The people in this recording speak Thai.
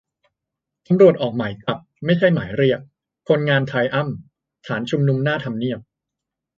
ตำรวจออก "หมายจับ" ไม่ใช่หมายเรียก คนงานไทรอัมพ์ ฐานชุมนุมหน้าทำเนียบ